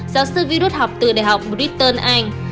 giáo sư virus học từ đại học britain anh